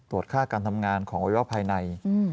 ตรวจค่าการทำงานของวิวภายใน